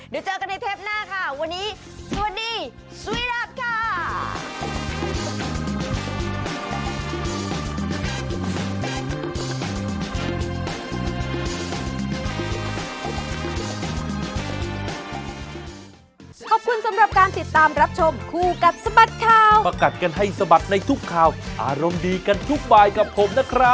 เดี๋ยวเจอกันในเทปหน้าค่ะวันนี้สวัสดีสุวิรัติค่ะ